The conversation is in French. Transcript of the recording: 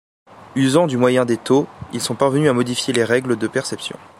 Usant du moyen des taux, ils sont parvenus à modifier les règles de perception.